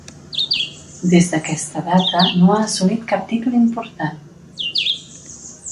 Des d'aquesta data no ha assolit cap títol important.